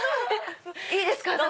いいですか中。